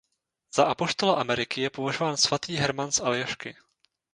Za apoštola ameriky je považován svatý Herman z Aljašky.